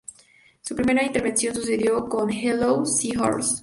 Su primera intervención sucedió con "Hello Seahorse!